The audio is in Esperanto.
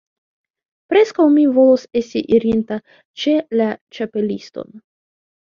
Preskaŭ mi volus esti irinta ĉe la Ĉapeliston.